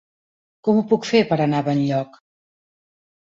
Com ho puc fer per anar a Benlloc?